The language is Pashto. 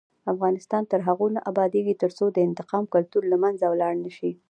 افغانستان تر هغو نه ابادیږي، ترڅو د انتقام کلتور له منځه لاړ نشي.